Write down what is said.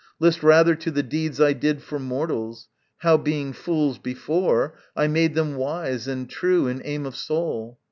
List rather to the deeds I did for mortals; how, being fools before, I made them wise and true in aim of soul.